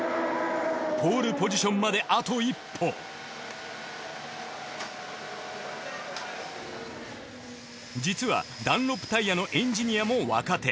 ポールポジションまであと一歩実はダンロップタイヤのエンジニアも若手。